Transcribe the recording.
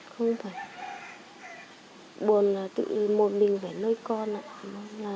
không phải buồn là tự một mình phải nuôi con ạ